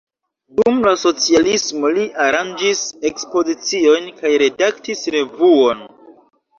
Dum la socialismo li aranĝis ekspoziciojn kaj redaktis revuon.